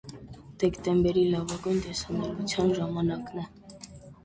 Դեկտեմբերին լավագույն տեսանելիության ժամանակն է։